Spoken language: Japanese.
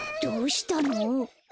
どうしたの？